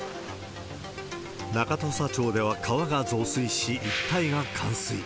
中土佐町では川が増水し、一帯が冠水。